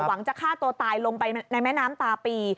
หวังจะฆ่าตัวตายลงไปในแม่น้ำตาปี